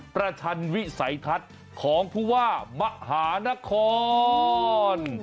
ชันวิสัยทัศน์ของผู้ว่ามหานคร